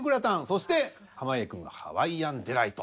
そして濱家くんが「ハワイアンデライト」。